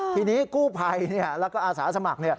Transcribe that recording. ทีนี้กู้ภัยแล้วก็อาสาสมัคร